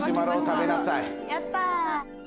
やった。